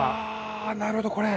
あなるほどこれ。